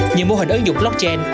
như mô hình ứng dụng blockchain